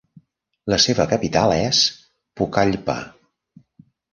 La seva capital és Pucallpa.